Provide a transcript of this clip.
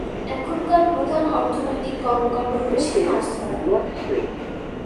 এখানকার প্রধান অর্থনৈতিক কর্মকান্ড হচ্ছে মাছ ধরা।